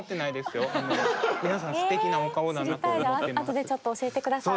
後でちょっと教えて下さい。